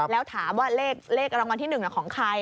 แล้วถามว่าเลขรางวัลที่๑ของใคร